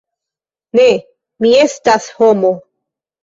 "Ne, mi estas homo."